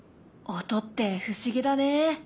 音って不思議だね。